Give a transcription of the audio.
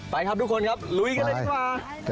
ไปครับทุกคนครับลุยกันเลยดีกว่า